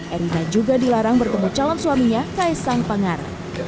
erina juga dilarang bertemu calon suaminya kaisang pangara